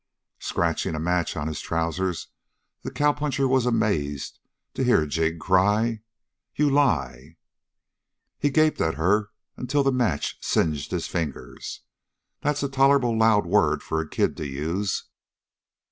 Scratching a match on his trousers, the cowpuncher was amazed to hear Jig cry: "You lie!" He gaped at her until the match singed his fingers. "That's a tolerable loud word for a kid to use!"